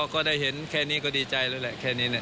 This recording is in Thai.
ก็ได้เห็นแค่นี้ก็ดีใจแล้วแหละแค่นี้แหละ